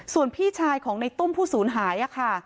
ส่วนพี่ชายของในตุ้มผู้สูญหายค่ะ